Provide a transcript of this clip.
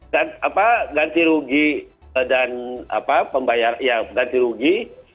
dan apa ganti rugi dan apa pembayar ya ganti rugi